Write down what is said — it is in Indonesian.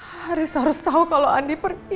haris harus tahu kalau andi pergi